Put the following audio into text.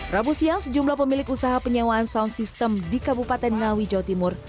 rabu siang sejumlah pemilik usaha penyewaan sound system di kabupaten ngawi jawa timur